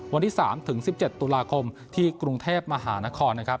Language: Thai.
วันที่๓ถึง๑๗ตุลาคมที่กรุงเทพมหานครนะครับ